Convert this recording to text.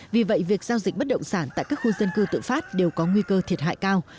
vì vậy việc giao dịch bất động sản tại các khu dân cư tự phát đều có nguy cơ thiệt hại cao